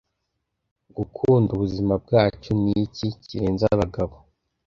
Gukunda ubuzima bwacu, ni iki kirenze abagabo,